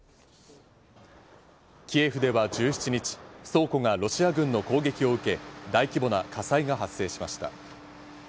キエフでは１７日、倉庫がロシア軍の攻撃を受け、大規模な火災が発生しました。